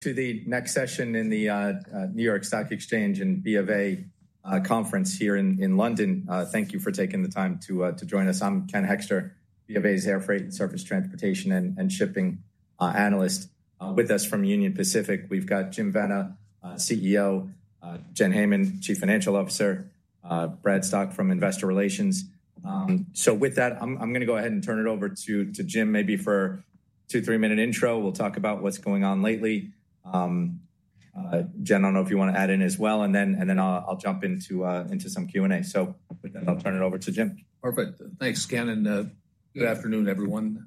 The next session in the New York Stock Exchange and BofA conference here in London. Thank you for taking the time to join us. I'm Ken Hoexter, BofA's Airfreight and Surface Transportation and Shipping Analyst with us from Union Pacific. We've got Jim Vena, CEO; Jen Hamann, Chief Financial Officer; Brad Thrasher from Investor Relations. So with that, I'm going to go ahead and turn it over to Jim maybe for a 2 or 3-minute intro. We'll talk about what's going on lately. Jen, I don't know if you want to add in as well, and then I'll jump into some Q&A. So with that, I'll turn it over to Jim. Perfect. Thanks, Ken. Good afternoon, everyone.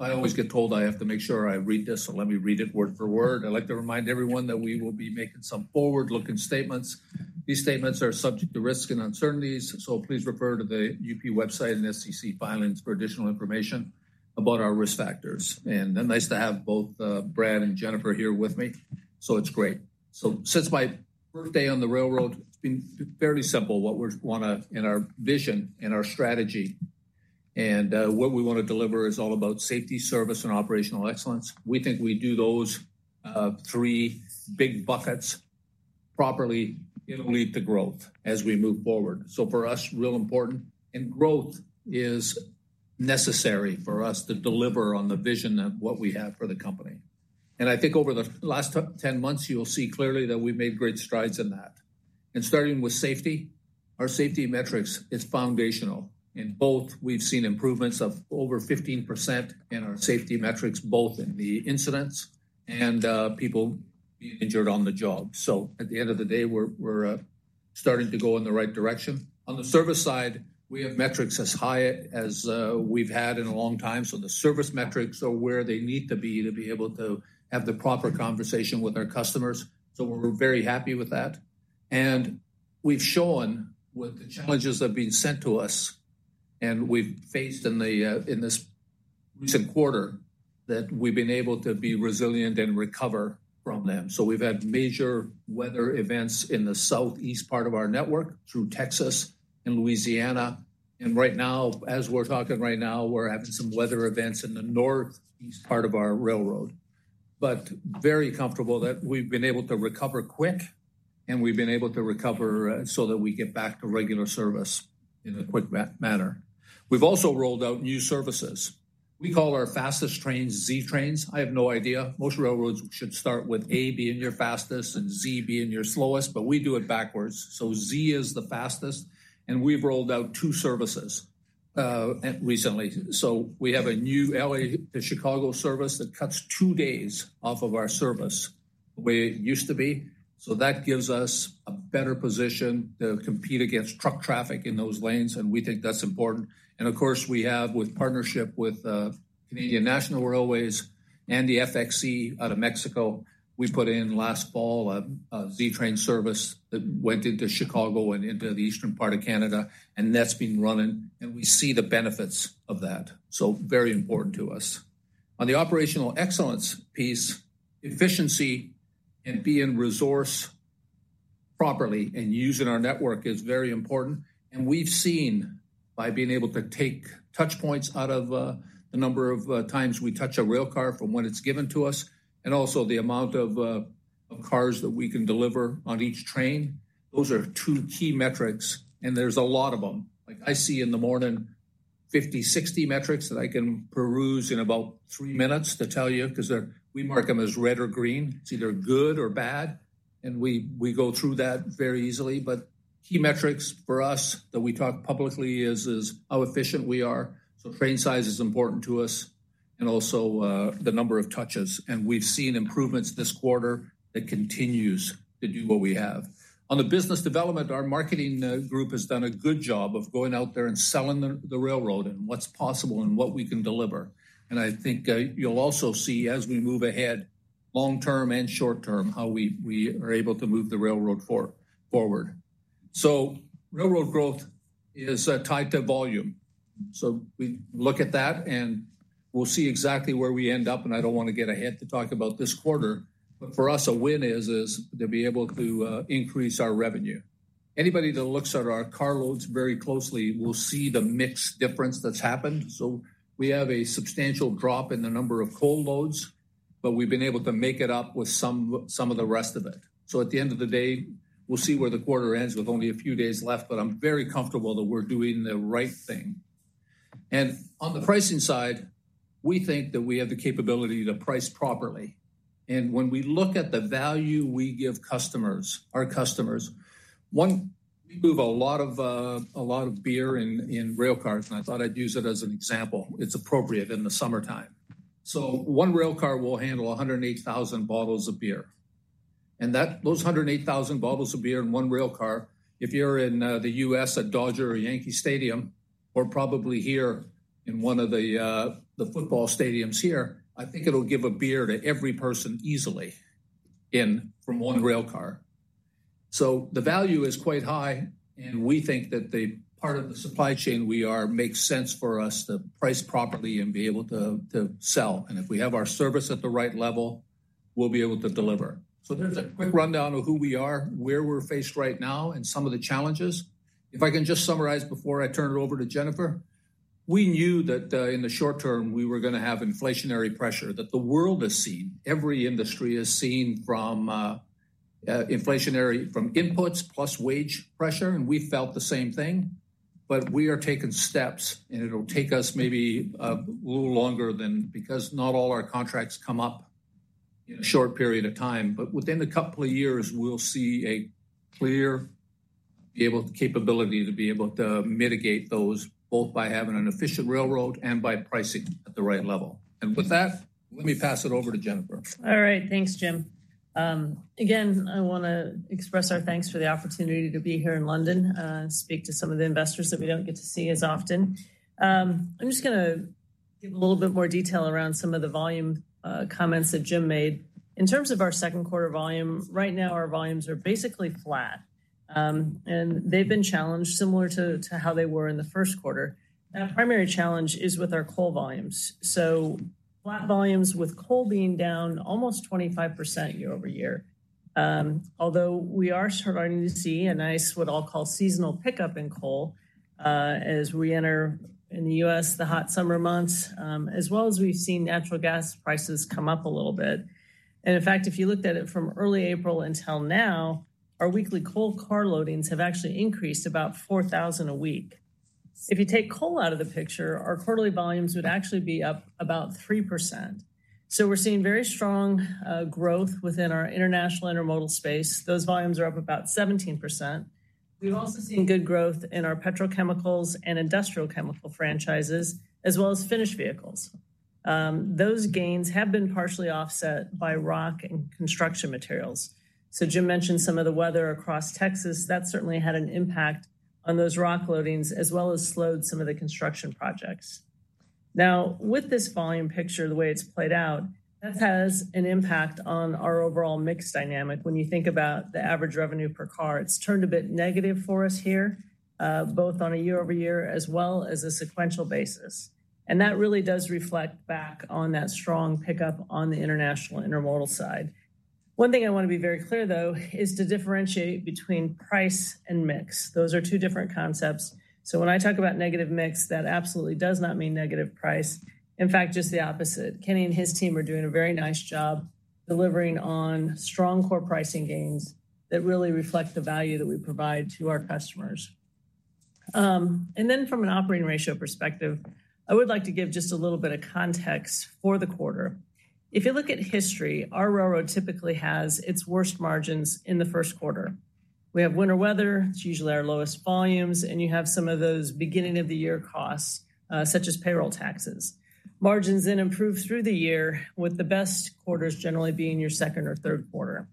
I always get told I have to make sure I read this, so let me read it word for word. I'd like to remind everyone that we will be making some forward-looking statements. These statements are subject to risk and uncertainties, so please refer to the UP website and SEC filings for additional information about our risk factors. Nice to have both Brad and Jennifer here with me, so it's great. Since my first day on the railroad, it's been fairly simple what we want to, in our vision and our strategy, and what we want to deliver is all about safety, service, and operational excellence. We think we do those three big buckets properly. It'll lead to growth as we move forward. So for us, real important, and growth is necessary for us to deliver on the vision of what we have for the company. And I think over the last 10 months, you'll see clearly that we've made great strides in that. And starting with safety, our safety metrics are foundational. In both, we've seen improvements of over 15% in our safety metrics, both in the incidents and people being injured on the job. So at the end of the day, we're starting to go in the right direction. On the service side, we have metrics as high as we've had in a long time. So the service metrics are where they need to be to be able to have the proper conversation with our customers. So we're very happy with that. We've shown with the challenges that have been sent to us, and we've faced in this recent quarter that we've been able to be resilient and recover from them. We've had major weather events in the southeast part of our network through Texas and Louisiana. Right now, as we're talking right now, we're having some weather events in the northeast part of our railroad. Very comfortable that we've been able to recover quick, and we've been able to recover so that we get back to regular service in a quick manner. We've also rolled out new services. We call our fastest trains Z trains. I have no idea. Most railroads should start with A being your fastest and Z being your slowest, but we do it backwards. Z is the fastest, and we've rolled out two services recently. So we have a new L.A. to Chicago service that cuts two days off of our service the way it used to be. So that gives us a better position to compete against truck traffic in those lanes, and we think that's important. And of course, we have, with partnership with Canadian National Railway and the FXE out of Mexico, we put in last fall a Z-train service that went into Chicago and into the eastern part of Canada, and that's been running, and we see the benefits of that. So very important to us. On the operational excellence piece, efficiency and being a resource properly and using our network is very important. And we've seen by being able to take touch points out of the number of times we touch a railcar from when it's given to us, and also the amount of cars that we can deliver on each train. Those are two key metrics, and there's a lot of them. Like I see in the morning 50, 60 metrics that I can peruse in about 3 minutes to tell you because we mark them as red or green. It's either good or bad, and we go through that very easily. But key metrics for us that we talk publicly is how efficient we are. So train size is important to us, and also the number of touches. And we've seen improvements this quarter that continues to do what we have. On the business development, our marketing group has done a good job of going out there and selling the railroad and what's possible and what we can deliver. I think you'll also see as we move ahead long-term and short-term how we are able to move the railroad forward. Railroad growth is tied to volume. We look at that, and we'll see exactly where we end up, and I don't want to get ahead to talk about this quarter, but for us, a win is to be able to increase our revenue. Anybody that looks at our carloads very closely will see the mix difference that's happened. We have a substantial drop in the number of coal loads, but we've been able to make it up with some of the rest of it. So at the end of the day, we'll see where the quarter ends with only a few days left, but I'm very comfortable that we're doing the right thing. And on the pricing side, we think that we have the capability to price properly. And when we look at the value we give our customers, one, we move a lot of beer in railcars, and I thought I'd use it as an example. It's appropriate in the summertime. So one railcar will handle 108,000 bottles of beer. And those 108,000 bottles of beer in one railcar, if you're in the U.S. at Dodger Stadium or Yankee Stadium, or probably here in one of the football stadiums here, I think it'll give a beer to every person easily from one railcar. The value is quite high, and we think that the part of the supply chain we are makes sense for us to price properly and be able to sell. If we have our service at the right level, we'll be able to deliver. There's a quick rundown of who we are, where we're faced right now, and some of the challenges. If I can just summarize before I turn it over to Jennifer, we knew that in the short term we were going to have inflationary pressure that the world has seen. Every industry has seen from inflationary inputs plus wage pressure, and we felt the same thing. We are taking steps, and it'll take us maybe a little longer than because not all our contracts come up in a short period of time. But within a couple of years, we'll see a clear capability to be able to mitigate those both by having an efficient railroad and by pricing at the right level. And with that, let me pass it over to Jennifer. All right. Thanks, Jim. Again, I want to express our thanks for the opportunity to be here in London and speak to some of the investors that we don't get to see as often. I'm just going to give a little bit more detail around some of the volume comments that Jim made. In terms of our second quarter volume, right now our volumes are basically flat, and they've been challenged similar to how they were in the first quarter. Our primary challenge is with our coal volumes. Flat volumes with coal being down almost 25% year-over-year, although we are starting to see a nice what I'll call seasonal pickup in coal as we enter in the U.S. the hot summer months, as well as we've seen natural gas prices come up a little bit. In fact, if you looked at it from early April until now, our weekly coal car loadings have actually increased about 4,000 a week. If you take coal out of the picture, our quarterly volumes would actually be up about 3%. We're seeing very strong growth within our international intermodal space. Those volumes are up about 17%. We've also seen good growth in our petrochemicals and industrial chemical franchises, as well as finished vehicles. Those gains have been partially offset by rock and construction materials. Jim mentioned some of the weather across Texas. That certainly had an impact on those rock loadings, as well as slowed some of the construction projects. Now, with this volume picture, the way it's played out, that has an impact on our overall mix dynamic. When you think about the average revenue per car, it's turned a bit negative for us here, both on a year-over-year as well as a sequential basis. That really does reflect back on that strong pickup on the international intermodal side. One thing I want to be very clear, though, is to differentiate between price and mix. Those are two different concepts. So when I talk about negative mix, that absolutely does not mean negative price. In fact, just the opposite. Kenny and his team are doing a very nice job delivering on strong core pricing gains that really reflect the value that we provide to our customers. Then from an operating ratio perspective, I would like to give just a little bit of context for the quarter. If you look at history, our railroad typically has its worst margins in the first quarter. We have winter weather. It's usually our lowest volumes, and you have some of those beginning-of-the-year costs, such as payroll taxes. Margins then improve through the year, with the best quarters generally being your second or third quarter.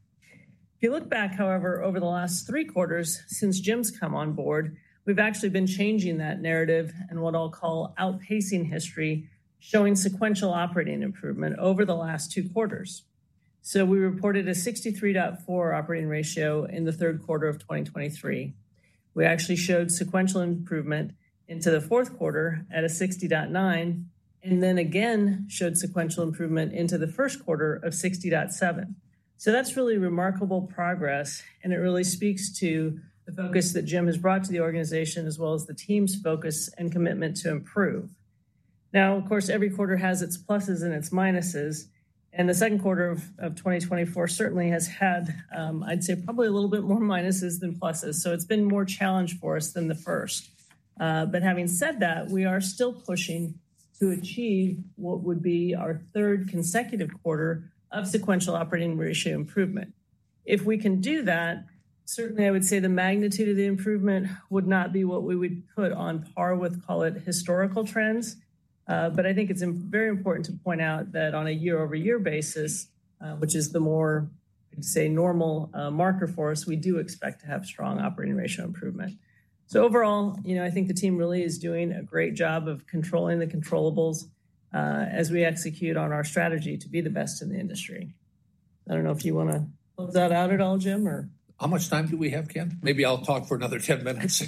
If you look back, however, over the last three quarters since Jim's come on board, we've actually been changing that narrative and what I'll call outpacing history, showing sequential operating improvement over the last two quarters. So we reported a 63.4 operating ratio in the third quarter of 2023. We actually showed sequential improvement into the fourth quarter at a 60.9, and then again showed sequential improvement into the first quarter of 60.7. So that's really remarkable progress, and it really speaks to the focus that Jim has brought to the organization, as well as the team's focus and commitment to improve. Now, of course, every quarter has its pluses and its minuses, and the second quarter of 2024 certainly has had, I'd say, probably a little bit more minuses than pluses. So it's been more challenged for us than the first. But having said that, we are still pushing to achieve what would be our third consecutive quarter of sequential operating ratio improvement. If we can do that, certainly I would say the magnitude of the improvement would not be what we would put on par with, call it historical trends. But I think it's very important to point out that on a year-over-year basis, which is the more, I'd say, normal marker for us, we do expect to have strong operating ratio improvement. Overall, I think the team really is doing a great job of controlling the controllables, as we execute on our strategy to be the best in the industry. I don't know if you want to close that out at all, Jim, or. How much time do we have, Ken? Maybe I'll talk for another 10 minutes.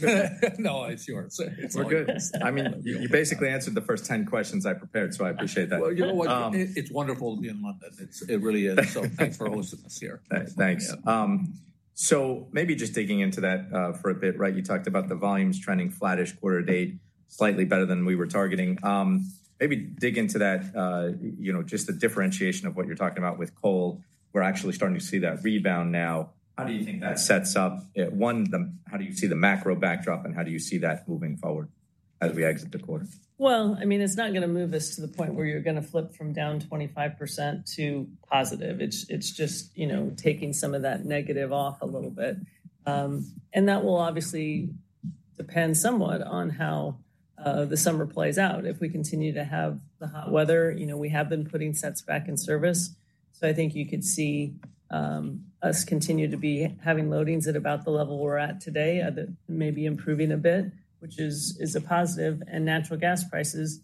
No, it's yours. We're good. I mean, you basically answered the first 10 questions I prepared, so I appreciate that. Well, you know what? It's wonderful to be in London. It really is. So thanks for hosting us here. Thanks. So maybe just digging into that for a bit, right? You talked about the volumes trending flattish quarter to date, slightly better than we were targeting. Maybe dig into that, just the differentiation of what you're talking about with coal. We're actually starting to see that rebound now. How do you think that sets up? One, how do you see the macro backdrop, and how do you see that moving forward as we exit the quarter? Well, I mean, it's not going to move us to the point where you're going to flip from down 25% to positive. It's just taking some of that negative off a little bit. That will obviously depend somewhat on how the summer plays out. If we continue to have the hot weather, we have been putting sets back in service. I think you could see us continue to be having loadings at about the level we're at today, maybe improving a bit, which is a positive. Natural gas prices,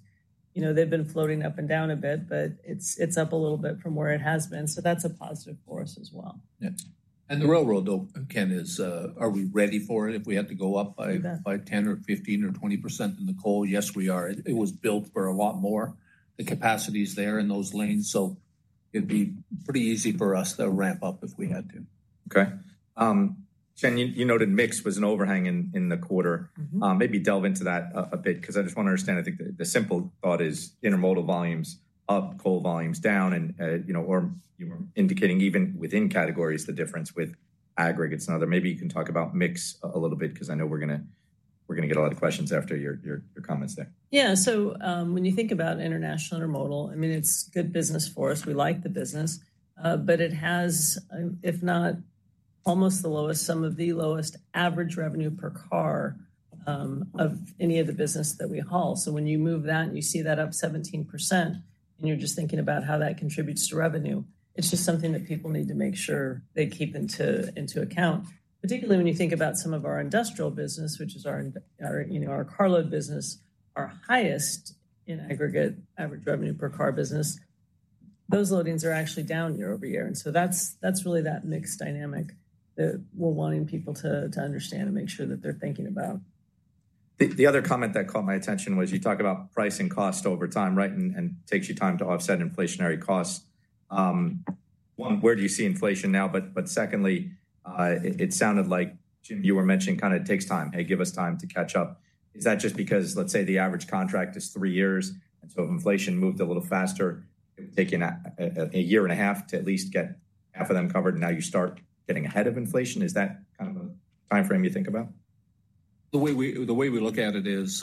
they've been floating up and down a bit, but it's up a little bit from where it has been. That's a positive for us as well. Yeah. And the railroad, Ken, are we ready for it if we had to go up by 10%, 15%, or 20% in the coal? Yes, we are. It was built for a lot more, the capacities there in those lanes. So it'd be pretty easy for us to ramp up if we had to. Okay. Jen, you noted mix was an overhang in the quarter. Maybe delve into that a bit because I just want to understand. I think the simple thought is intermodal volumes up, coal volumes down, or you were indicating even within categories the difference with aggregates and other. Maybe you can talk about mix a little bit because I know we're going to get a lot of questions after your comments there. Yeah. So when you think about international intermodal, I mean, it's good business for us. We like the business, but it has, if not almost the lowest, some of the lowest average revenue per car of any of the business that we haul. So when you move that and you see that up 17%, and you're just thinking about how that contributes to revenue, it's just something that people need to make sure they keep into account. Particularly when you think about some of our industrial business, which is our carload business, our highest in aggregate average revenue per car business, those loadings are actually down year-over-year. And so that's really that mix dynamic that we're wanting people to understand and make sure that they're thinking about. The other comment that caught my attention was you talk about price and cost over time, right, and takes you time to offset inflationary costs. One, where do you see inflation now? But secondly, it sounded like Jim you were mentioning kind of it takes time. Hey, give us time to catch up. Is that just because, let's say, the average contract is three years, and so if inflation moved a little faster, it would take you a year and a half to at least get half of them covered, and now you start getting ahead of inflation? Is that kind of a time frame you think about? The way we look at it is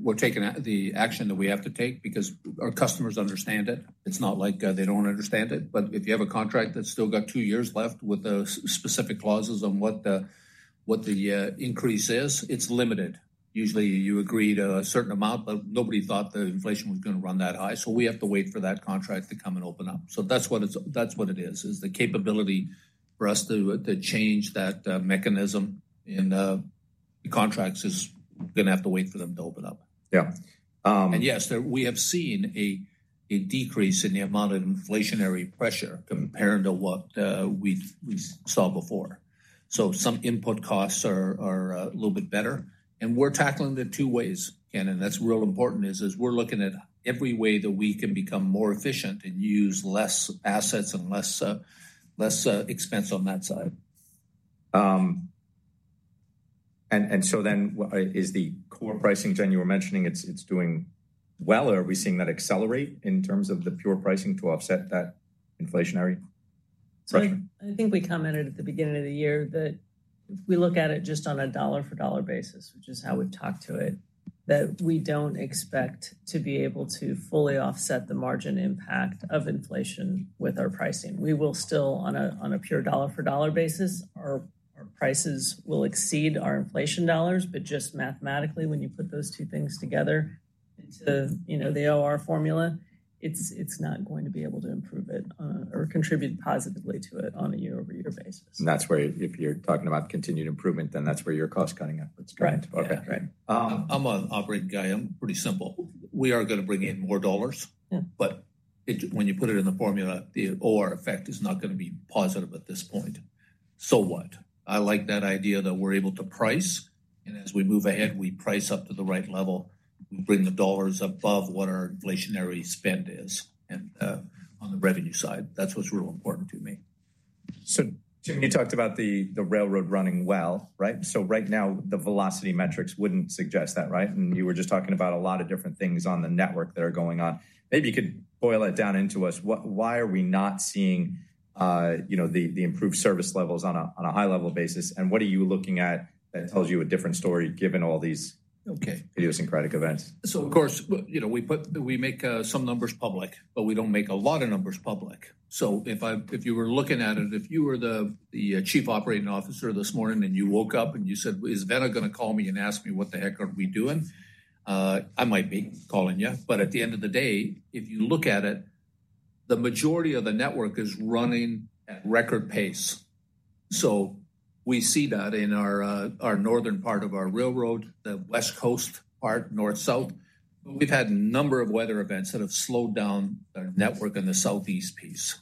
we're taking the action that we have to take because our customers understand it. It's not like they don't understand it. But if you have a contract that's still got two years left with specific clauses on what the increase is, it's limited. Usually, you agree to a certain amount, but nobody thought the inflation was going to run that high. So we have to wait for that contract to come and open up. So that's what it is, is the capability for us to change that mechanism in the contracts is going to have to wait for them to open up. Yeah. Yes, we have seen a decrease in the amount of inflationary pressure compared to what we saw before. Some input costs are a little bit better. We're tackling the two ways, Ken, and that's real important, is we're looking at every way that we can become more efficient and use less assets and less expense on that side. And so then is the core pricing, Jen, you were mentioning, it's doing well, or are we seeing that accelerate in terms of the pure pricing to offset that inflationary pressure? I think we commented at the beginning of the year that if we look at it just on a dollar-for-dollar basis, which is how we've talked to it, that we don't expect to be able to fully offset the margin impact of inflation with our pricing. We will still, on a pure dollar-for-dollar basis, our prices will exceed our inflation dollars. But just mathematically, when you put those two things together into the OR formula, it's not going to be able to improve it or contribute positively to it on a year-over-year basis. That's where if you're talking about continued improvement, then that's where your cost cutting efforts come in. Correct. Okay. I'm an operating guy. I'm pretty simple. We are going to bring in more dollars. But when you put it in the formula, the OR effect is not going to be positive at this point. So what? I like that idea that we're able to price, and as we move ahead, we price up to the right level. We bring the dollars above what our inflationary spend is on the revenue side. That's what's real important to me. So Jim, you talked about the railroad running well, right? So right now, the velocity metrics wouldn't suggest that, right? And you were just talking about a lot of different things on the network that are going on. Maybe you could boil it down into us. Why are we not seeing the improved service levels on a high-level basis, and what are you looking at that tells you a different story given all these idiosyncratic events? So of course, we make some numbers public, but we don't make a lot of numbers public. So if you were looking at it, if you were the chief operating officer this morning and you woke up and you said, "Is Vena going to call me and ask me what the heck are we doing?" I might be calling you. But at the end of the day, if you look at it, the majority of the network is running at record pace. So we see that in our northern part of our railroad, the West Coast part, north-south. We've had a number of weather events that have slowed down the network in the southeast piece.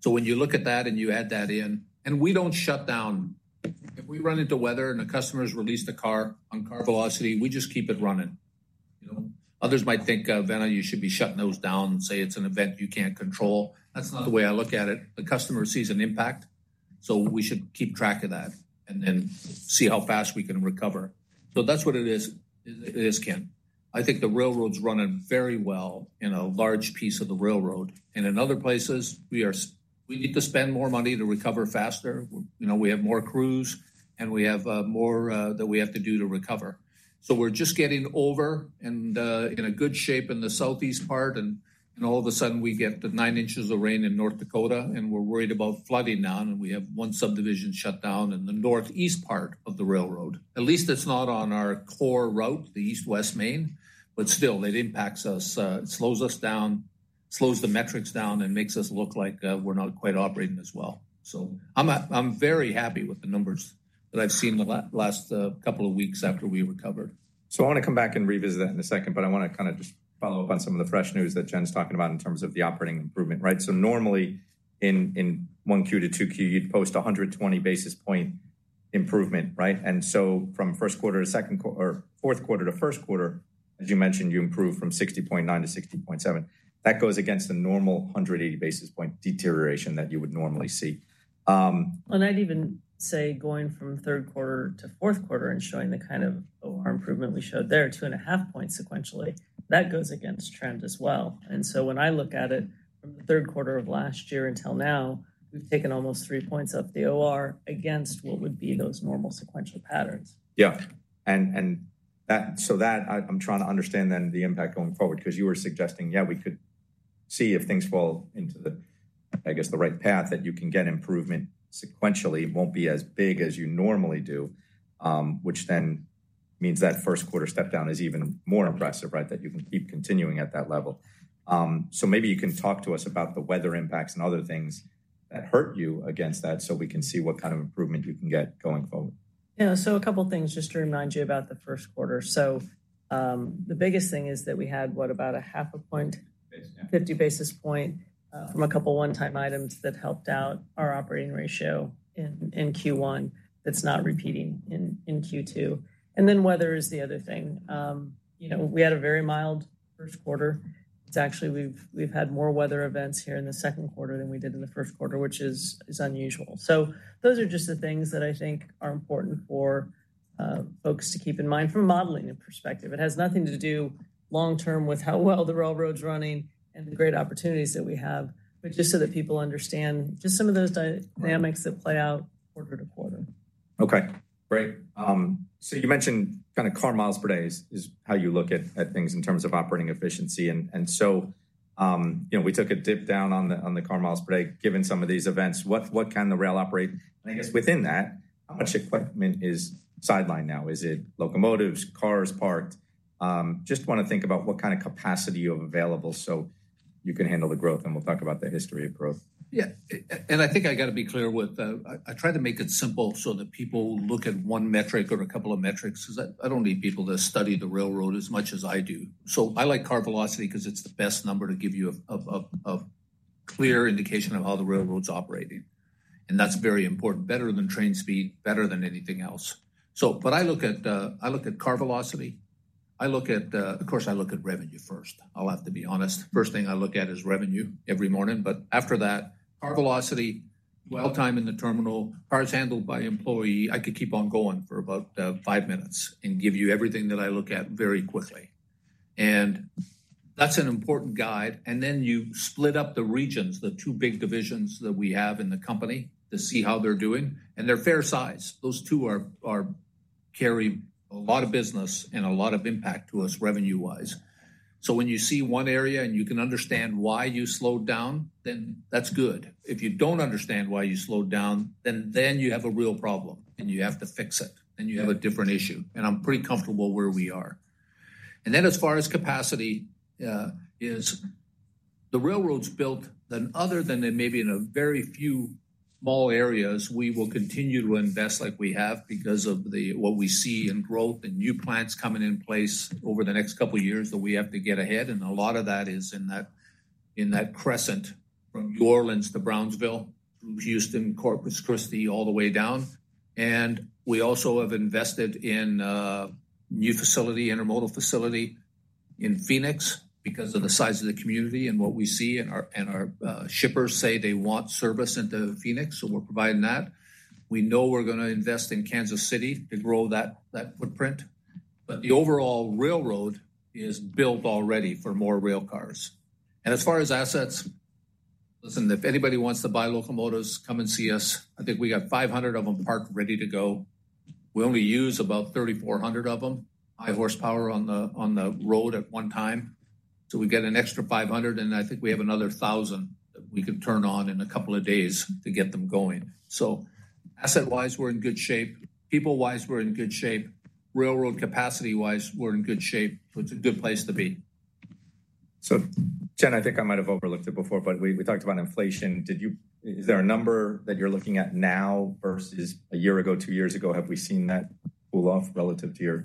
So when you look at that and you add that in, and we don't shut down. If we run into weather and a customer has released a carload on car velocity, we just keep it running. Others might think, "Vena, you should be shutting those down. Say it's an event you can't control." That's not the way I look at it. The customer sees an impact. So we should keep track of that and then see how fast we can recover. So that's what it is, Ken. I think the railroad's running very well in a large piece of the railroad. And in other places, we need to spend more money to recover faster. We have more crews, and we have more that we have to do to recover. So we're just getting over and in a good shape in the southeast part, and all of a sudden, we get the 9 inches of rain in North Dakota, and we're worried about flooding now, and we have one subdivision shut down in the northeast part of the railroad. At least it's not on our core route, the east-west main, but still, it impacts us. It slows us down, slows the metrics down, and makes us look like we're not quite operating as well. So I'm very happy with the numbers that I've seen the last couple of weeks after we recovered. So I want to come back and revisit that in a second, but I want to kind of just follow up on some of the fresh news that Jen's talking about in terms of the operating improvement, right? So normally, in 1Q to 2Q, you'd post 120 basis point improvement, right? And so from first quarter to second or fourth quarter to first quarter, as you mentioned, you improved from 60.9 to 60.7. That goes against the normal 180 basis point deterioration that you would normally see. Well, I'd even say going from third quarter to fourth quarter and showing the kind of OR improvement we showed there, 2.5 points sequentially, that goes against trend as well. And so when I look at it from the third quarter of last year until now, we've taken almost three points up the OR against what would be those normal sequential patterns. Yeah. And so that I'm trying to understand then the impact going forward because you were suggesting, yeah, we could see if things fall into, I guess, the right path that you can get improvement sequentially won't be as big as you normally do, which then means that first quarter step down is even more impressive, right, that you can keep continuing at that level. So maybe you can talk to us about the weather impacts and other things that hurt you against that so we can see what kind of improvement you can get going forward. Yeah. So a couple of things just to remind you about the first quarter. So the biggest thing is that we had, what, about 0.5 point, 50 basis points from a couple of one-time items that helped out our operating ratio in Q1, that's not repeating in Q2. And then weather is the other thing. We had a very mild first quarter. It's actually, we've had more weather events here in the second quarter than we did in the first quarter, which is unusual. So those are just the things that I think are important for folks to keep in mind from a modeling perspective. It has nothing to do long-term with how well the railroad's running and the great opportunities that we have, but just so that people understand just some of those dynamics that play out quarter to quarter. Okay. Great. So you mentioned kind of car miles per day is how you look at things in terms of operating efficiency. And so we took a dip down on the car miles per day given some of these events. What can the rail operate? And I guess within that, how much equipment is sidelined now? Is it locomotives, cars parked? Just want to think about what kind of capacity you have available so you can handle the growth, and we'll talk about the history of growth. Yeah. I think I've got to be clear when I try to make it simple so that people look at one metric or a couple of metrics because I don't need people to study the railroad as much as I do. So I like car velocity because it's the best number to give you a clear indication of how the railroad's operating. And that's very important. Better than train speed, better than anything else. But I look at car velocity. I look at, of course, I look at revenue first. I'll have to be honest. First thing I look at is revenue every morning. But after that, car velocity, well, time in the terminal, cars handled by employee. I could keep on going for about five minutes and give you everything that I look at very quickly. That's an important guide. And then you split up the regions, the two big divisions that we have in the company to see how they're doing. And they're fair size. Those two carry a lot of business and a lot of impact to us revenue-wise. So when you see one area and you can understand why you slowed down, then that's good. If you don't understand why you slowed down, then you have a real problem, and you have to fix it, and you have a different issue. And I'm pretty comfortable where we are. And then as far as capacity is, the railroad's built. Then other than maybe in a very few small areas, we will continue to invest like we have because of what we see in growth and new plants coming in place over the next couple of years that we have to get ahead. A lot of that is in that crescent from New Orleans to Brownsville through Houston, Corpus Christi, all the way down. We also have invested in new facility, intermodal facility in Phoenix because of the size of the community and what we see. Our shippers say they want service into Phoenix, so we're providing that. We know we're going to invest in Kansas City to grow that footprint. But the overall railroad is built already for more rail cars. As far as assets, listen, if anybody wants to buy locomotives, come and see us. I think we got 500 of them parked ready to go. We only use about 3,400 of them, high horsepower on the road at one time. So we get an extra 500, and I think we have another 1,000 that we can turn on in a couple of days to get them going. So asset-wise, we're in good shape. People-wise, we're in good shape. Railroad capacity-wise, we're in good shape. So it's a good place to be. So Jen, I think I might have overlooked it before, but we talked about inflation. Is there a number that you're looking at now versus a year ago, two years ago? Have we seen that pull off relative to your?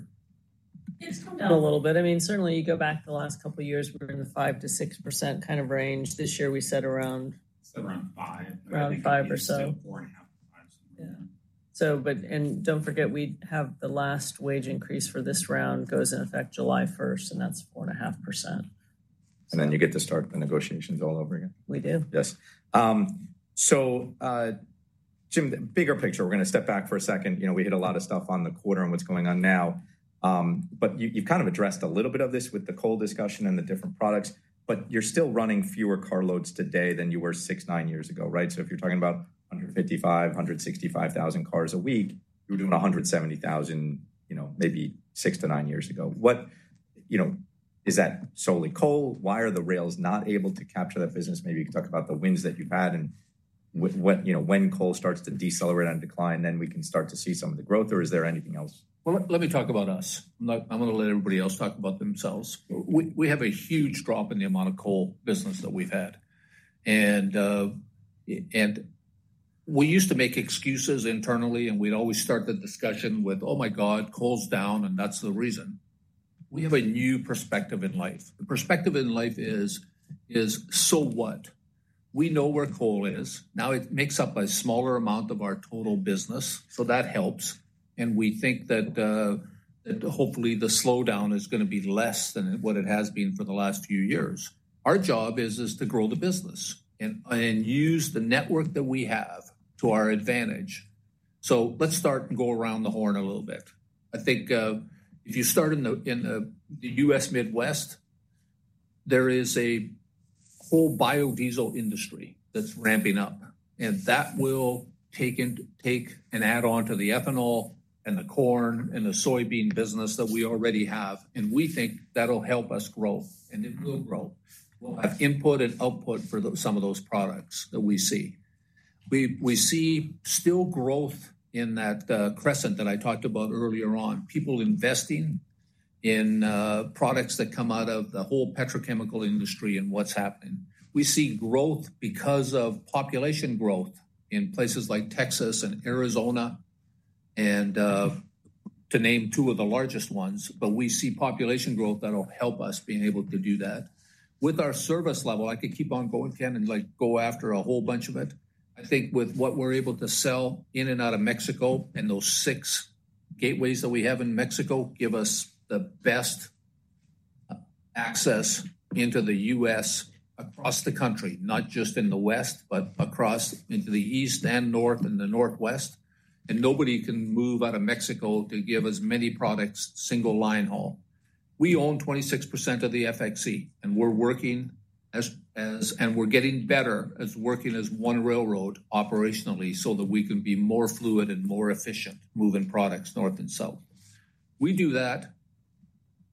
It's come down a little bit. I mean, certainly, you go back the last couple of years, we're in the 5%-6% kind of range. This year, we set around. Set around five. Around five or so. 4.5 times. Yeah. And don't forget, we have the last wage increase for this round goes in effect July 1st, and that's 4.5%. And then you get to start the negotiations all over again. We do. Yes. So Jim, the bigger picture, we're going to step back for a second. We hit a lot of stuff on the quarter and what's going on now. But you've kind of addressed a little bit of this with the coal discussion and the different products. But you're still running fewer carloads today than you were six to nine years ago, right? So if you're talking about 155,000-165,000 cars a week, you were doing 170,000 maybe six to nine years ago. Is that solely coal? Why are the rails not able to capture that business? Maybe you could talk about the wins that you've had and when coal starts to decelerate and decline, then we can start to see some of the growth, or is there anything else? Well, let me talk about us. I'm going to let everybody else talk about themselves. We have a huge drop in the amount of coal business that we've had. We used to make excuses internally, and we'd always start the discussion with, "Oh my God, coal's down, and that's the reason." We have a new perspective in life. The perspective in life is, "So what?" We know where coal is. Now it makes up a smaller amount of our total business, so that helps. We think that hopefully the slowdown is going to be less than what it has been for the last few years. Our job is to grow the business and use the network that we have to our advantage. Let's start and go around the horn a little bit. I think if you start in the U.S. Midwest, there is a whole biodiesel industry that's ramping up, and that will take and add on to the ethanol and the corn and the soybean business that we already have. And we think that'll help us grow, and it will grow. We'll have input and output for some of those products that we see. We see still growth in that crescent that I talked about earlier on, people investing in products that come out of the whole petrochemical industry and what's happening. We see growth because of population growth in places like Texas and Arizona, and to name two of the largest ones. But we see population growth that'll help us being able to do that. With our service level, I could keep on going, Ken, and go after a whole bunch of it. I think with what we're able to sell in and out of Mexico and those six gateways that we have in Mexico give us the best access into the U.S. across the country, not just in the west, but across into the east and north and the northwest. And nobody can move out of Mexico to give us many products single-line haul. We own 26% of the FXE, and we're working, and we're getting better as working as one railroad operationally so that we can be more fluid and more efficient moving products north and south. We do that,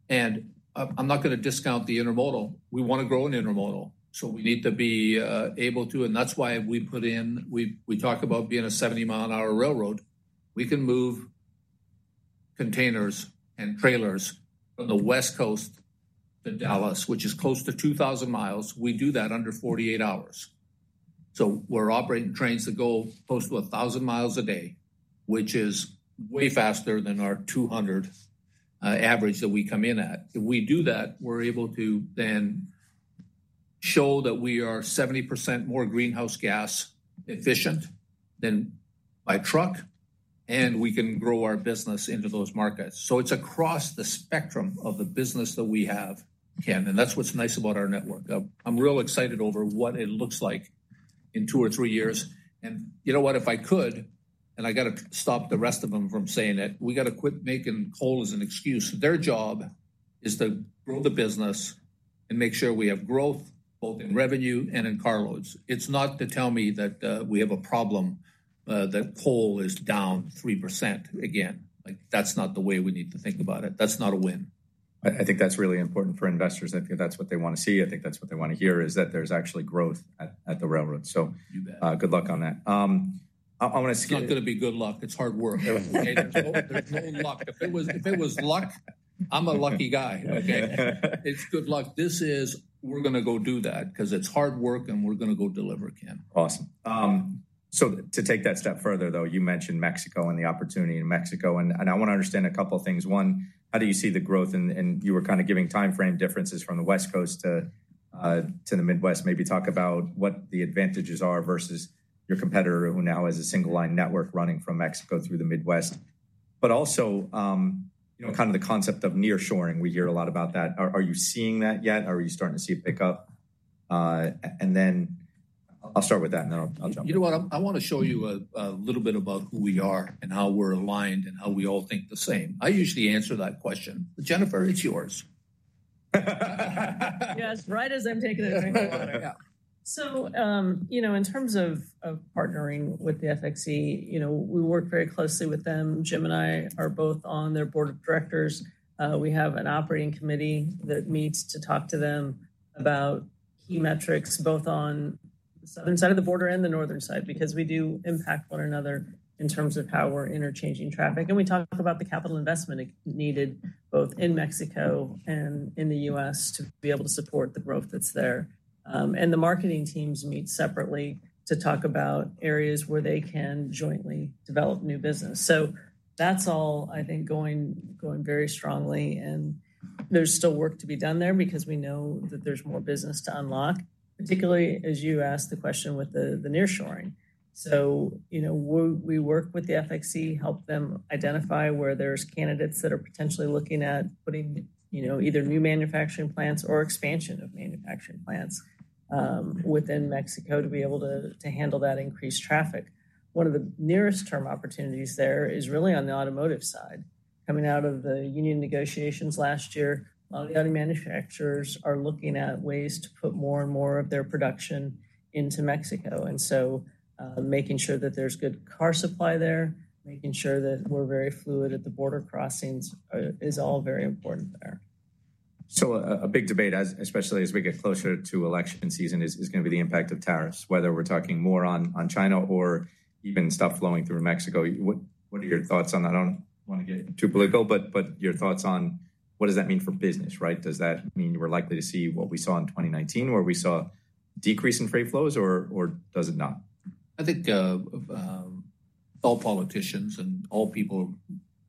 and I'm not going to discount the intermodal. We want to grow an intermodal, so we need to be able to. And that's why we put in, we talk about being a 70-mile-an-hour railroad. We can move containers and trailers from the West Coast to Dallas, which is close to 2,000 miles. We do that under 48 hours. So we're operating trains that go close to 1,000 miles a day, which is way faster than our 200 average that we come in at. If we do that, we're able to then show that we are 70% more greenhouse gas efficient than by truck, and we can grow our business into those markets. So it's across the spectrum of the business that we have, Ken. And that's what's nice about our network. I'm real excited over what it looks like in two or three years. And you know what? If I could, and I got to stop the rest of them from saying it, we got to quit making coal as an excuse. Their job is to grow the business and make sure we have growth both in revenue and in carloads. It's not to tell me that we have a problem that coal is down 3% again. That's not the way we need to think about it. That's not a win. I think that's really important for investors. I think that's what they want to see. I think that's what they want to hear is that there's actually growth at the railroad. So good luck on that. I want to skip. It's not going to be good luck. It's hard work. There's no luck. If it was luck, I'm a lucky guy. Okay. It's good luck. This is, we're going to go do that because it's hard work, and we're going to go deliver, Ken. Awesome. So to take that step further, though, you mentioned Mexico and the opportunity in Mexico. And I want to understand a couple of things. One, how do you see the growth? And you were kind of giving time frame differences from the West Coast to the Midwest, maybe talk about what the advantages are versus your competitor who now has a single line network running from Mexico through the Midwest. But also kind of the concept of nearshoring. We hear a lot about that. Are you seeing that yet? Are you starting to see it pick up? And then I'll start with that, and then I'll jump. You know what? I want to show you a little bit about who we are and how we're aligned and how we all think the same. I usually answer that question. Jennifer, it's yours. Yes. Right as I'm taking a drink of water, yeah. So in terms of partnering with the FXE, we work very closely with them. Jim and I are both on their board of directors. We have an operating committee that meets to talk to them about key metrics both on the southern side of the border and the northern side because we do impact one another in terms of how we're interchanging traffic. And we talk about the capital investment needed both in Mexico and in the U.S. to be able to support the growth that's there. And the marketing teams meet separately to talk about areas where they can jointly develop new business. So that's all, I think, going very strongly. And there's still work to be done there because we know that there's more business to unlock, particularly as you asked the question with the nearshoring. So we work with the FXE, help them identify where there's candidates that are potentially looking at putting either new manufacturing plants or expansion of manufacturing plants within Mexico to be able to handle that increased traffic. One of the nearest-term opportunities there is really on the automotive side. Coming out of the union negotiations last year, a lot of the auto manufacturers are looking at ways to put more and more of their production into Mexico. And so making sure that there's good car supply there, making sure that we're very fluid at the border crossings is all very important there. So a big debate, especially as we get closer to election season, is going to be the impact of tariffs, whether we're talking more on China or even stuff flowing through Mexico. What are your thoughts on that? I don't want to get too political, but your thoughts on what does that mean for business, right? Does that mean we're likely to see what we saw in 2019, where we saw a decrease in freight flows, or does it not? I think all politicians and all people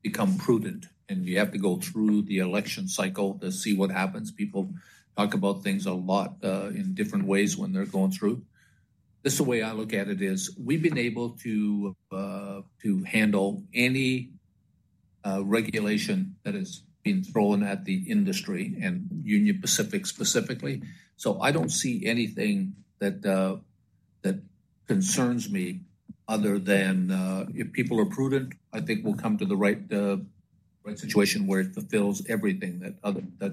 become prudent. And you have to go through the election cycle to see what happens. People talk about things a lot in different ways when they're going through. This is the way I look at it is we've been able to handle any regulation that has been thrown at the industry and Union Pacific specifically. So I don't see anything that concerns me other than if people are prudent, I think we'll come to the right situation where it fulfills everything that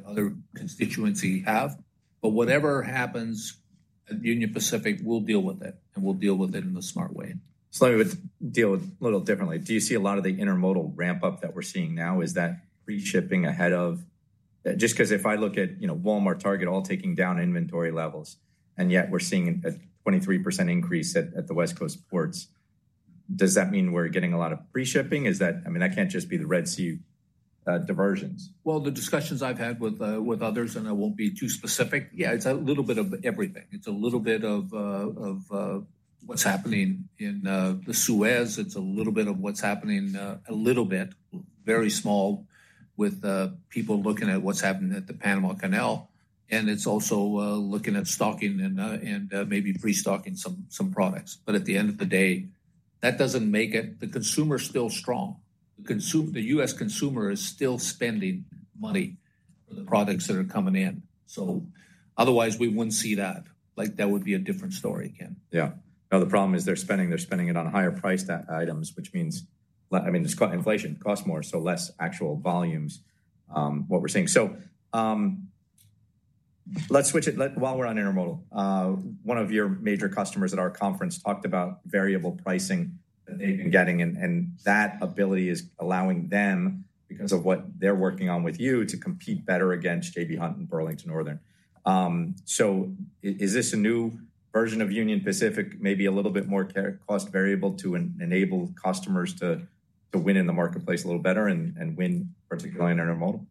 other constituencies have. But whatever happens at Union Pacific, we'll deal with it, and we'll deal with it in a smart way. Let me deal with it a little differently. Do you see a lot of the intermodal ramp-up that we're seeing now? Is that pre-shipping ahead of just because if I look at Walmart, Target all taking down inventory levels, and yet we're seeing a 23% increase at the West Coast ports, does that mean we're getting a lot of pre-shipping? I mean, that can't just be the Red Sea diversions. Well, the discussions I've had with others, and I won't be too specific, yeah, it's a little bit of everything. It's a little bit of what's happening in the Suez. It's a little bit of what's happening a little bit, very small, with people looking at what's happening at the Panama Canal. And it's also looking at stocking and maybe pre-stocking some products. But at the end of the day, that doesn't make it the consumer is still strong. The U.S. consumer is still spending money on the products that are coming in. So otherwise, we wouldn't see that. That would be a different story, Ken. Yeah. Now, the problem is they're spending it on higher-priced items, which means, I mean, inflation costs more, so less actual volumes, what we're seeing. So let's switch it while we're on intermodal. One of your major customers at our conference talked about variable pricing that they've been getting. And that ability is allowing them, because of what they're working on with you, to compete better against J.B. Hunt and Burlington Northern. So is this a new version of Union Pacific, maybe a little bit more cost variable to enable customers to win in the marketplace a little better and win, particularly in intermodal?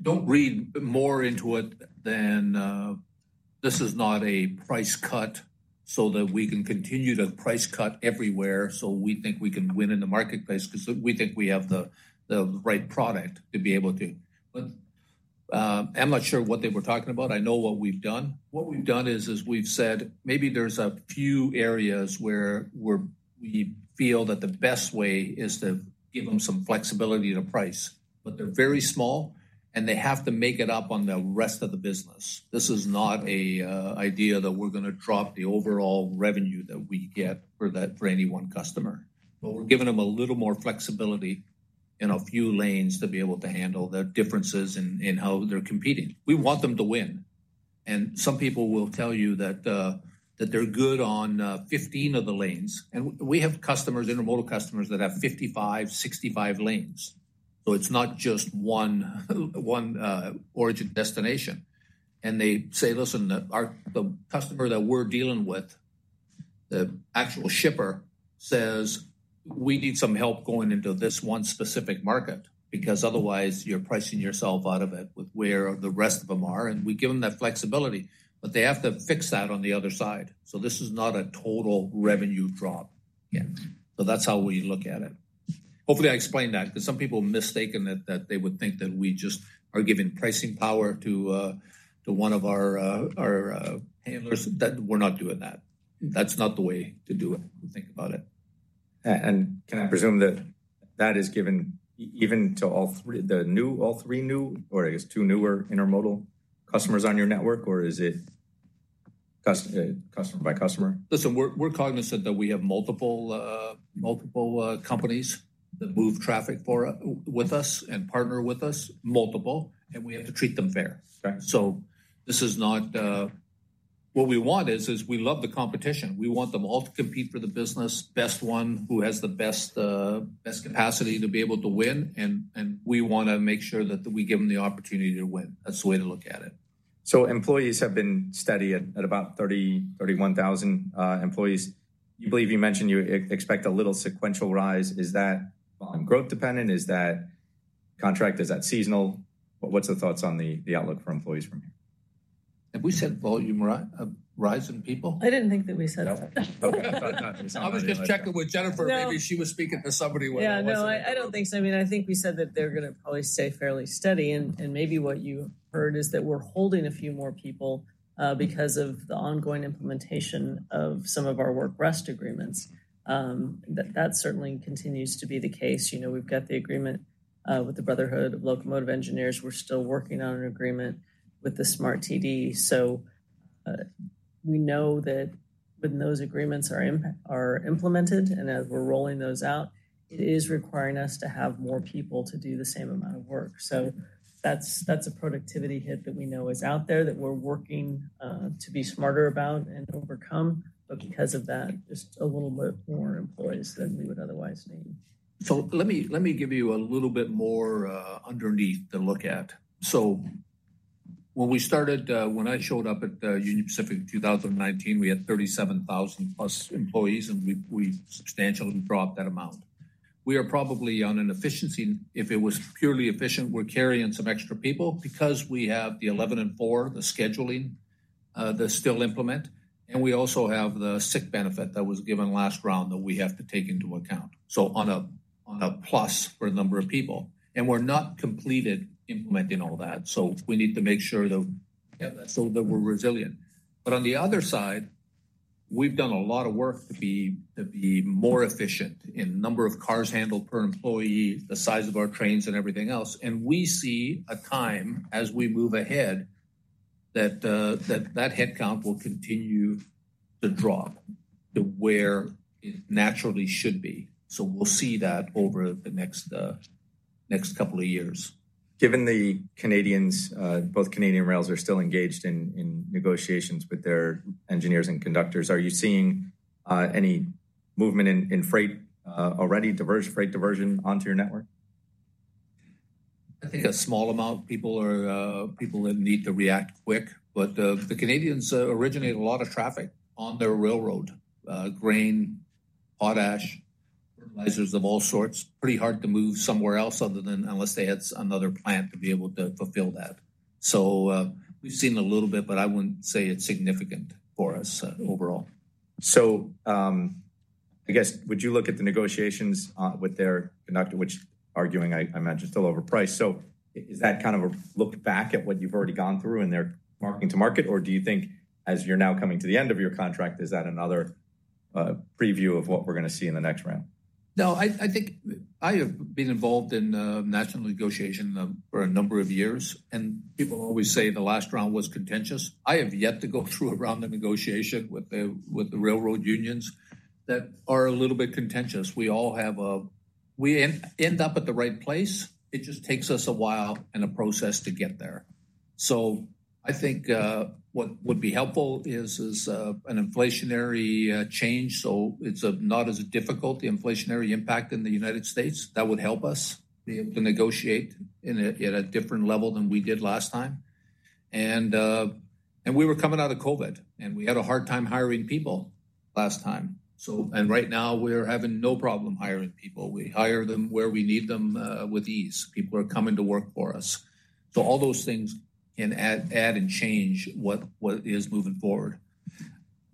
Don't read more into it than this is not a price cut so that we can continue to price cut everywhere so we think we can win in the marketplace because we think we have the right product to be able to. But I'm not sure what they were talking about. I know what we've done. What we've done is we've said maybe there's a few areas where we feel that the best way is to give them some flexibility to price. But they're very small, and they have to make it up on the rest of the business. This is not an idea that we're going to drop the overall revenue that we get for any one customer. But we're giving them a little more flexibility in a few lanes to be able to handle the differences in how they're competing. We want them to win. Some people will tell you that they're good on 15 of the lanes. We have customers, intermodal customers, that have 55, 65 lanes. So it's not just one origin destination. And they say, "Listen, the customer that we're dealing with, the actual shipper, says we need some help going into this one specific market because otherwise you're pricing yourself out of it with where the rest of them are." We give them that flexibility, but they have to fix that on the other side. So this is not a total revenue drop. So that's how we look at it. Hopefully, I explained that because some people mistaken that they would think that we just are giving pricing power to one of our handlers. We're not doing that. That's not the way to do it, to think about it. Can I presume that that is given even to the new, all three new, or I guess two newer intermodal customers on your network, or is it customer by customer? Listen, we're cognizant that we have multiple companies that move traffic with us and partner with us, multiple, and we have to treat them fair. So this is not what we want. We love the competition. We want them all to compete for the business, best one who has the best capacity to be able to win. And we want to make sure that we give them the opportunity to win. That's the way to look at it. Employees have been steady at about 30,000-31,000 employees. You believe you mentioned you expect a little sequential rise. Is that growth-dependent? Is that contract? Is that seasonal? What's the thoughts on the outlook for employees from here? Have we said volume rise in people? I didn't think that we said that. I was just checking with Jennifer. Maybe she was speaking to somebody with. Yeah. No, I don't think so. I mean, I think we said that they're going to probably stay fairly steady. And maybe what you heard is that we're holding a few more people because of the ongoing implementation of some of our work-rest agreements. That certainly continues to be the case. We've got the agreement with the Brotherhood of Locomotive Engineers. We're still working on an agreement with the SMART-TD. So we know that when those agreements are implemented and as we're rolling those out, it is requiring us to have more people to do the same amount of work. So that's a productivity hit that we know is out there that we're working to be smarter about and overcome. But because of that, just a little bit more employees than we would otherwise need. So let me give you a little bit more underneath to look at. When we started, when I showed up at Union Pacific in 2019, we had 37,000-plus employees, and we substantially dropped that amount. We are probably on an efficiency. If it was purely efficient, we're carrying some extra people because we have the 11 and four, the scheduling, the still implement. And we also have the sick benefit that was given last round that we have to take into account. So on a plus for a number of people. And we're not completed implementing all that. So we need to make sure that we're resilient. But on the other side, we've done a lot of work to be more efficient in number of cars handled per employee, the size of our trains, and everything else. We see a time as we move ahead that that headcount will continue to drop to where it naturally should be. We'll see that over the next couple of years. Given the Canadians, both Canadian rails are still engaged in negotiations with their engineers and conductors. Are you seeing any movement in freight already, diversion, freight diversion onto your network? I think a small amount of people are people that need to react quick. But the Canadians originate a lot of traffic on their railroad, grain, potash, fertilizers of all sorts. Pretty hard to move somewhere else other than unless they had another plant to be able to fulfill that. So we've seen a little bit, but I wouldn't say it's significant for us overall. So, I guess, would you look at the negotiations with the conductors, which are arguing, I imagine, still overpriced? So, is that kind of a look back at what you've already gone through in the mark-to-market? Or do you think, as you're now coming to the end of your contract, is that another preview of what we're going to see in the next round? No. I think I have been involved in national negotiation for a number of years. People always say the last round was contentious. I have yet to go through a round of negotiation with the railroad unions that are a little bit contentious. We all have a we end up at the right place. It just takes us a while and a process to get there. I think what would be helpful is an inflationary change. So it's not as difficult, the inflationary impact in the United States. That would help us be able to negotiate at a different level than we did last time. We were coming out of COVID, and we had a hard time hiring people last time. Right now, we're having no problem hiring people. We hire them where we need them with ease. People are coming to work for us. All those things can add and change what is moving forward.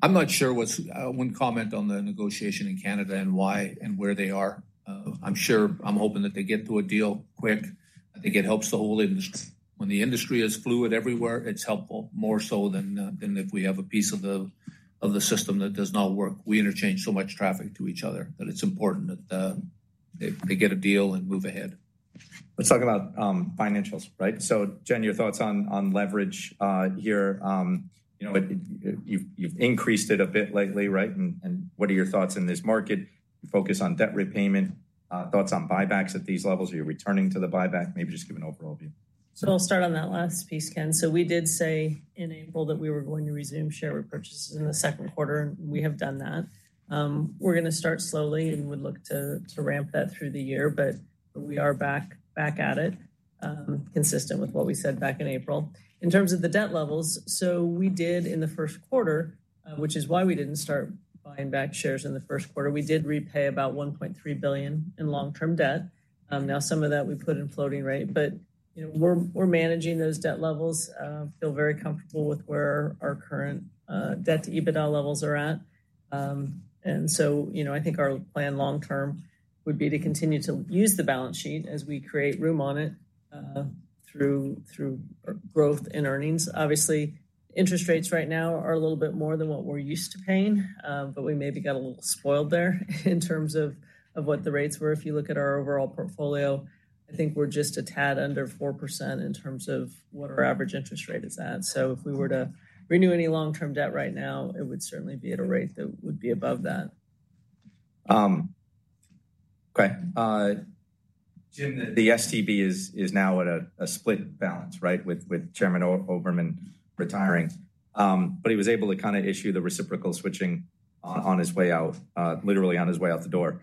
I'm not sure. What's one comment on the negotiation in Canada and why and where they are. I'm hoping that they get to a deal quick, that they get help so when the industry is fluid everywhere, it's helpful more so than if we have a piece of the system that does not work. We interchange so much traffic to each other that it's important that they get a deal and move ahead. Let's talk about financials, right? So, Jen, your thoughts on leverage here. You've increased it a bit lately, right? And what are your thoughts in this market? Focus on debt repayment. Thoughts on buybacks at these levels? Are you returning to the buyback? Maybe just give an overall view. So I'll start on that last piece, Ken. So we did say in April that we were going to resume share repurchases in the second quarter. And we have done that. We're going to start slowly and would look to ramp that through the year. But we are back at it, consistent with what we said back in April. In terms of the debt levels, so we did in the first quarter, which is why we didn't start buying back shares in the first quarter. We did repay about $1.3 billion in long-term debt. Now, some of that we put in floating rate. But we're managing those debt levels. Feel very comfortable with where our current debt to EBITDA levels are at. And so I think our plan long-term would be to continue to use the balance sheet as we create room on it through growth in earnings. Obviously, interest rates right now are a little bit more than what we're used to paying. But we maybe got a little spoiled there in terms of what the rates were. If you look at our overall portfolio, I think we're just a tad under 4% in terms of what our average interest rate is at. So if we were to renew any long-term debt right now, it would certainly be at a rate that would be above that. Okay. Jim, the STB is now at a split balance, right, with Chairman Oberman retiring. But he was able to kind of issue the reciprocal switching on his way out, literally on his way out the door.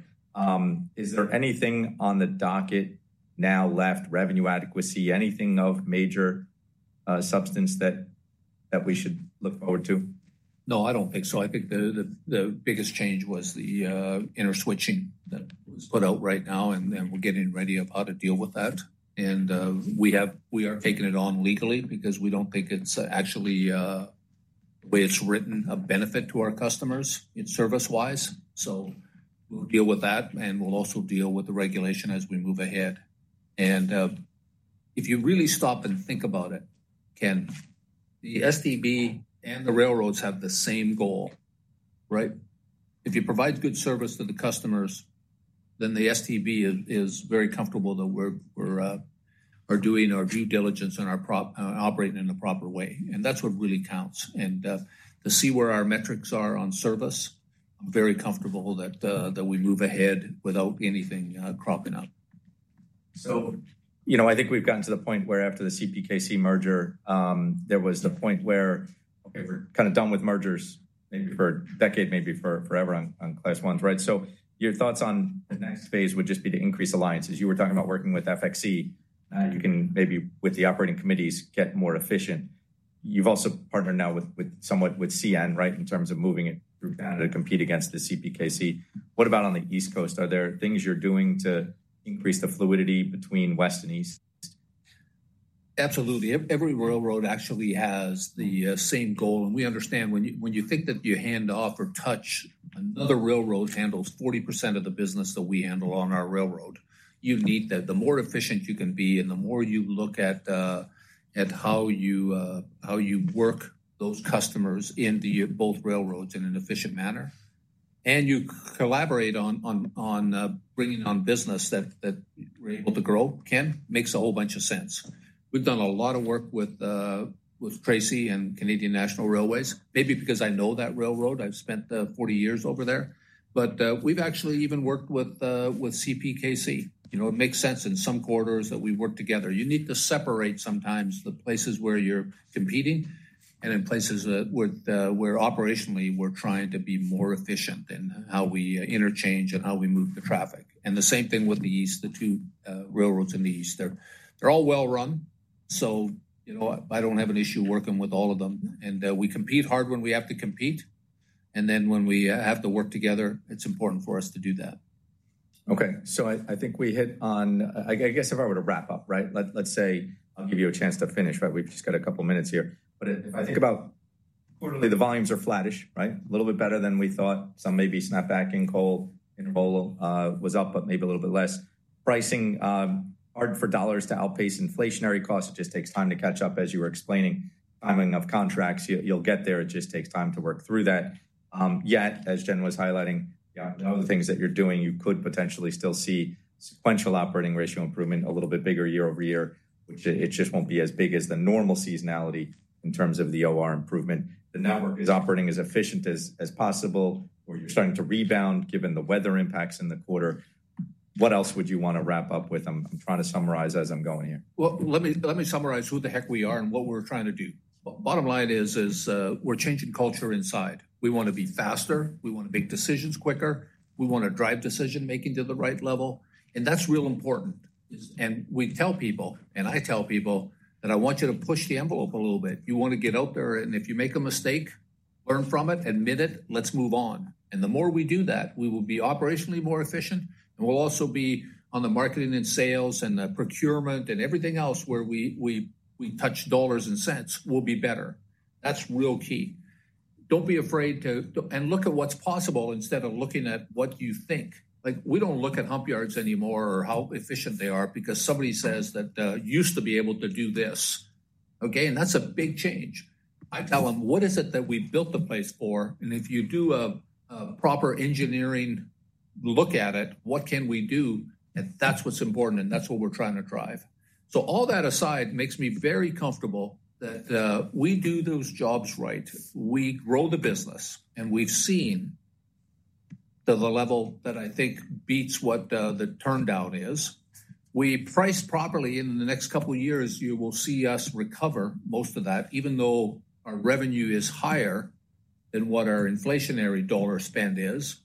Is there anything on the docket now left, revenue adequacy, anything of major substance that we should look forward to? No, I don't think so. I think the biggest change was the reciprocal switching that was put out right now. And then we're getting ready for how to deal with that. And we are taking it on legally because we don't think it's actually, the way it's written, a benefit to our customers service-wise. So we'll deal with that. And we'll also deal with the regulation as we move ahead. And if you really stop and think about it, Ken, the STB and the railroads have the same goal, right? If you provide good service to the customers, then the STB is very comfortable that we're doing our due diligence and operating in a proper way. And that's what really counts. And to see where our metrics are on service, I'm very comfortable that we move ahead without anything cropping up. So I think we've gotten to the point where after the CPKC merger, there was the point where, okay, we're kind of done with mergers for a decade, maybe forever on Class Is, right? So your thoughts on the next phase would just be to increase alliances. You were talking about working with FXE. You can maybe with the operating committees get more efficient. You've also partnered now somewhat with CN, right, in terms of moving it through Canada to compete against the CPKC. What about on the East Coast? Are there things you're doing to increase the fluidity between West and East? Absolutely. Every railroad actually has the same goal. We understand when you think that you hand off or touch, another railroad handles 40% of the business that we handle on our railroad. You need that. The more efficient you can be and the more you look at how you work those customers in both railroads in an efficient manner and you collaborate on bringing on business that we're able to grow, Ken, makes a whole bunch of sense. We've done a lot of work with Tracy and Canadian National Railways, maybe because I know that railroad. I've spent 40 years over there. We've actually even worked with CPKC. It makes sense in some quarters that we work together. You need to separate sometimes the places where you're competing and in places where operationally we're trying to be more efficient in how we interchange and how we move the traffic. The same thing with the East, the two railroads in the East. They're all well-run. I don't have an issue working with all of them. We compete hard when we have to compete. Then when we have to work together, it's important for us to do that. Okay. So I think we hit on, I guess, if I were to wrap up, right? Let's say I'll give you a chance to finish, right? We've just got a couple of minutes here. But if I think about quarterly, the volumes are flattish, right? A little bit better than we thought. Some maybe snap back in coal. Intermodal was up, but maybe a little bit less. Pricing hard for dollars to outpace inflationary costs. It just takes time to catch up, as you were explaining. Timing of contracts, you'll get there. It just takes time to work through that. Yet, as Jen was highlighting, the other things that you're doing, you could potentially still see sequential operating ratio improvement a little bit bigger year-over-year, which it just won't be as big as the normal seasonality in terms of the OR improvement. The network is operating as efficient as possible, or you're starting to rebound given the weather impacts in the quarter. What else would you want to wrap up with? I'm trying to summarize as I'm going here. Well, let me summarize who the heck we are and what we're trying to do. Bottom line is we're changing culture inside. We want to be faster. We want to make decisions quicker. We want to drive decision-making to the right level. And that's real important. And we tell people, and I tell people that I want you to push the envelope a little bit. You want to get out there. And if you make a mistake, learn from it, admit it, let's move on. And the more we do that, we will be operationally more efficient. And we'll also be on the marketing and sales and the procurement and everything else where we touch dollars and cents will be better. That's real key. Don't be afraid to and look at what's possible instead of looking at what you think. We don't look at hump yards anymore or how efficient they are because somebody says that used to be able to do this. Okay? That's a big change. I tell them, what is it that we built the place for? If you do a proper engineering look at it, what can we do? That's what's important. That's what we're trying to drive. All that aside makes me very comfortable that we do those jobs right. We grow the business. We've seen to the level that I think beats what the turndown is. We price properly. In the next couple of years, you will see us recover most of that, even though our revenue is higher than what our inflationary dollar spend is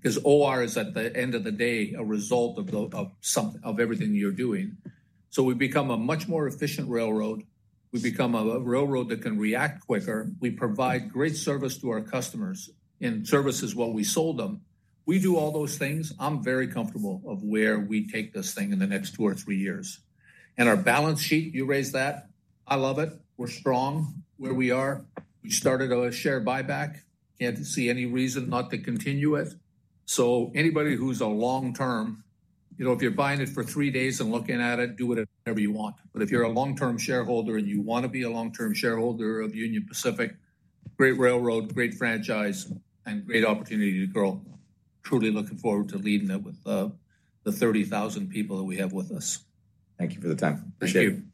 because OR is at the end of the day a result of everything you're doing. We become a much more efficient railroad. We become a railroad that can react quicker. We provide great service to our customers and services while we sold them. We do all those things. I'm very comfortable of where we take this thing in the next two or three years. And our balance sheet, you raised that. I love it. We're strong where we are. We started a share buyback. Can't see any reason not to continue it. So anybody who's a long-term, if you're buying it for three days and looking at it, do whatever you want. But if you're a long-term shareholder and you want to be a long-term shareholder of Union Pacific, great railroad, great franchise, and great opportunity to grow. Truly looking forward to leading it with the 30,000 people that we have with us. Thank you for the time. Appreciate it. Thank you.